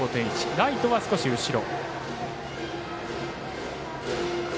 ライトは少し後ろ。